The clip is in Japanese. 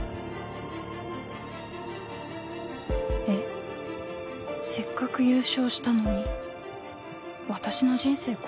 えっせっかく優勝したのに私の人生